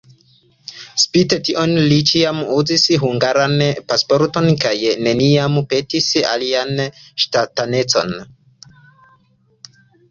Spite tion li ĉiam uzis hungaran pasporton kaj neniam petis alian ŝtatanecon.